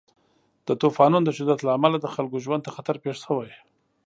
د طوفانونو د شدت له امله د خلکو ژوند ته خطر پېښ شوی.